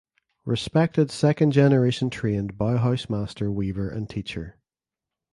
Respected second generation trained Bauhaus Master Weaver and teacher.